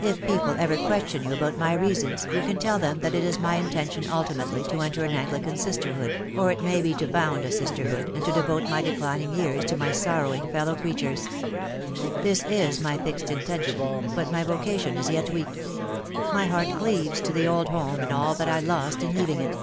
If people ever question you about my reasons you can tell them that it is my intention ultimately to enter an Anglican Sisterhood, or it may be to found a Sisterhood, and to devote my declining years to my sorrowing fellow creatures. This is my fixed intention, but my vocation is yet weak. My heart cleaves to the old home and all that I lost in leaving it.